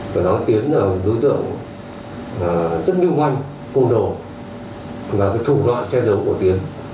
tôi nói tiến là một đối tượng rất như ngay cùng đồ là cái thủ loạn che giấu của tiến